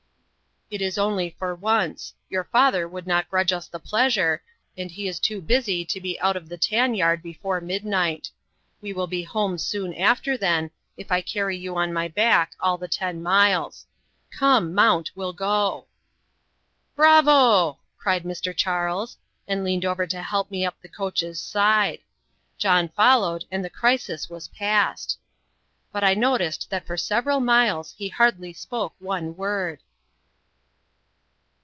"It is only for once your father would not grudge us the pleasure, and he is too busy to be out of the tan yard before midnight. We will be home soon after then, if I carry you on my back all the ten miles. Come, mount, we'll go." "Bravo!" cried Mr. Charles, and leaned over to help me up the coach's side. John followed, and the crisis was past. But I noticed that for several miles he hardly spoke one word.